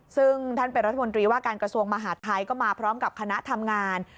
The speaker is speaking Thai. ซึ่งท่านเป็นรัฐมนตรีว่าการกระทรวงมหาดไทยก็มาพร้อมกับคณะทำงาน